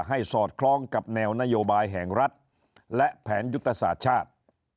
สอดคล้องกับแนวนโยบายแห่งรัฐและแผนยุทธศาสตร์ชาติ